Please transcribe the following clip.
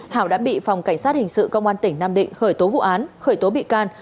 hảo đã bị phòng cảnh sát hình sự công an tỉnh nam định khởi tố vụ án khởi tố bị can